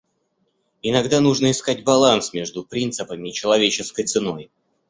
Иногда нужно искать баланс между принципами и человеческой ценой.